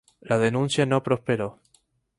La denuncia no prosperó.